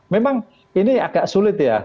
memang ini agak sulit ya